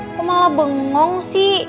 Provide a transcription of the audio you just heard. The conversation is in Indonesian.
aku malah bengong sih